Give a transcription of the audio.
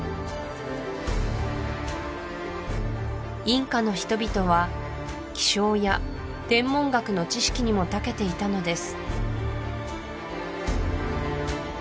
インカの人々は気象や天文学の知識にもたけていたのです